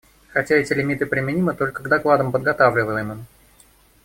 Хотя эти лимиты применимы только к докладам, подготавливаемым.